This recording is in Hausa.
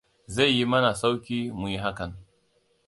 Zai yi mana sauƙi mu yi hakan.